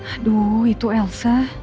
aduh itu elsa